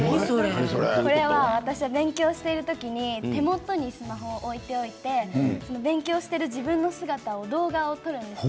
これは私は勉強してる時に手元にスマホを置いておいて勉強してる自分の姿を動画を撮るんです。